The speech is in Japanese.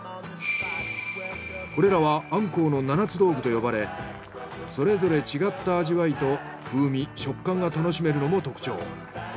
これらはアンコウの７つ道具と呼ばれそれぞれ違った味わいと風味食感が楽しめるのも特徴。